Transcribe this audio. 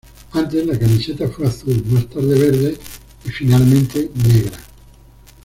Antes, la camiseta fue azul, más tarde verde y finalmente negra.